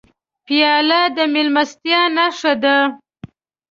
پیاله د میلمستیا نښه ده.